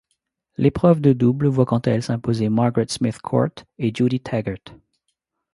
L'épreuve de double voit quant à elle s'imposer Margaret Smith Court et Judy Tegart.